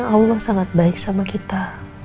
allah sangat baik sama kita